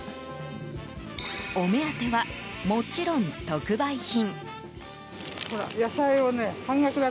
お目当ては、もちろん特売品。